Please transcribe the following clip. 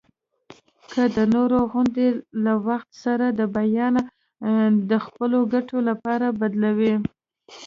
که د نورو غوندي له وخت سره د بیان د خپلو ګټو لپاره بدلوي.